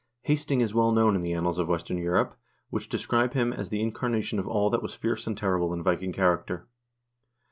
Hast ing is well known in the annals of western Europe, which describe him as the incarnation of all that was fierce and terrible in Viking character.